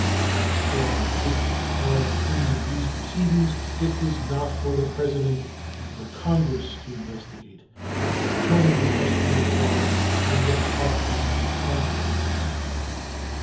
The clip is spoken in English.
If fraud existed in all or any of these proceedings, it was not for the President but for Congress to investigate and determine the question of fraud and what ought to be its consequences.